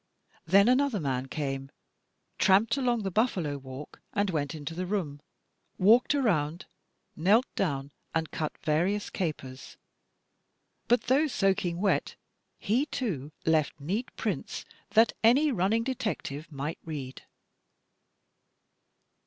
Then another man came, tramped along the buflFalo walk and went into the room, walked aroimd, knelt down, and cut various capers, but though soaking wet, he too, left neat prints that any running detective might read!